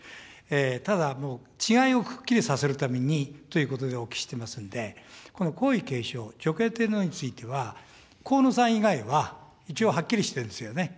ただ、もう違いをくっきりさせるためにということでお聞きしていますので、今度、皇位継承、女系天皇については、河野さん以外は、一応はっきりしてるんですよね。